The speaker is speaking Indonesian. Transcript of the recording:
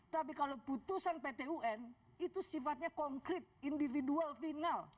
tapi kalau putusan ptun itu sifatnya konkret individual final